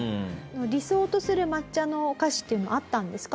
理想とする抹茶のお菓子っていうのはあったんですか？